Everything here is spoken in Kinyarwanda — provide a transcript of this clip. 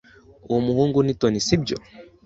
Uwo muhungu ni Tony, si byo?